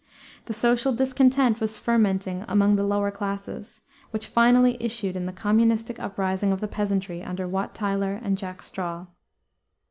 The social discontent was fermenting among the lower classes, which finally issued in the communistic uprising of the peasantry, under Wat Tyler and Jack Straw.